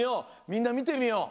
みんなみてみよう。